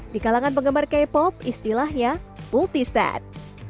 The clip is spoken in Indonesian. di kalangan penggemar k pop istilahnya multistat